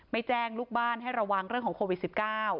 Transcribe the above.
แจ้งลูกบ้านให้ระวังเรื่องของโควิด๑๙